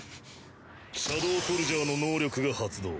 シャドウソルジャーの能力が発動。